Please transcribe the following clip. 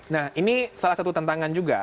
nah ini salah satu tantangan juga